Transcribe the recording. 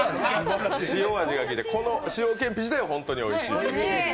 塩味がきいてこの塩けんぴ自体はおいしい。